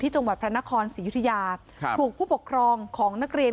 จังหวัดพระนครศรียุธยาถูกผู้ปกครองของนักเรียน